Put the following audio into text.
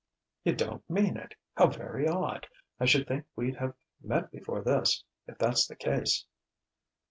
"You don't mean it. How very odd! I should think we'd have met before this, if that's the case."